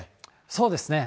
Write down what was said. そうですね。